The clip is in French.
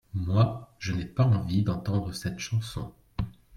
Moi, je n'ai pas envie d'entendre cette chanson.